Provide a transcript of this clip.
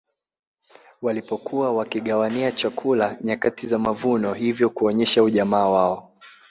Walipokuwa wakigawania chakula nyakati za mavuno hivyo kuonesha ujamaa wao